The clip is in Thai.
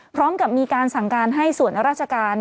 พร้อมกับมีการสั่งการให้ส่วนราชการ